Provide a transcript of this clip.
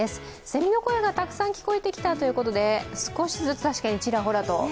せみの声がたくさん聞こえてきたということで、少しずつ確かにちらほらと。